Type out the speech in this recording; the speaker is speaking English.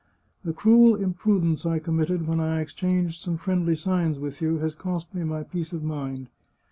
The cruel imprudence I committed when I exchanged some friendly signs with you, has cost me my peace of mind.